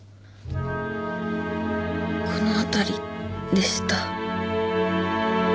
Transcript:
この辺りでした。